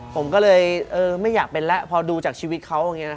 ผมก็เลยไม่อยากเป็นแล้วพอดูจากชีวิตเขาอย่างนี้นะ